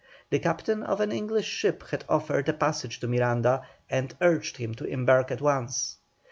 The captain of an English ship had offered a passage to Miranda, and urged him to embark at once.